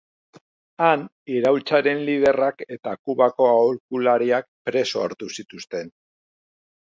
Han, iraultzaren liderrak eta Kubako aholkulariak preso hartu zituzten.